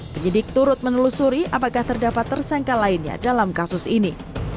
penyidik turut menelusuri apakah terdapat tersangka lainnya dalam kasus ini